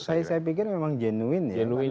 saya pikir memang jenuin